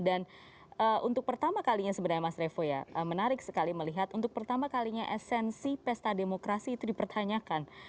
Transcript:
untuk pertama kalinya sebenarnya mas revo ya menarik sekali melihat untuk pertama kalinya esensi pesta demokrasi itu dipertanyakan